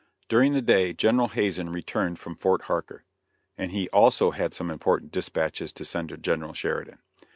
During the day General Hazen returned from Fort Harker, and he also had some important dispatches to send to General Sheridan.